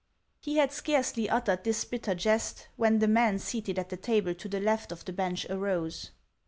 1 He had scarcely uttered this bitter jest, when the man seated at the table to the left of the bench arose.